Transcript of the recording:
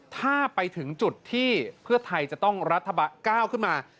ถ้าไปถึงจุดที่เพื่อไทยจะต้องรัฐบาลก้าวขึ้นมา